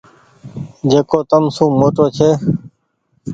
جيڪو تم سون موٽو ڇي ۔